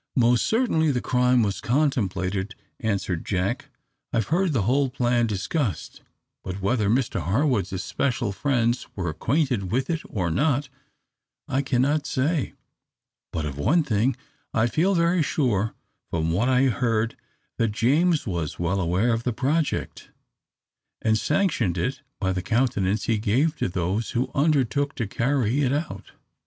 "Most certainly the crime was contemplated," answered Jack. "I heard the whole plan discussed, but whether Mr Harwood's especial friends were acquainted with it or not, I cannot say; but of one thing I feel very sure, from what I heard, that James was well aware of the project, and sanctioned it by the countenance he gave to those who undertook to carry it out."